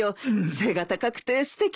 背が高くてすてきでね。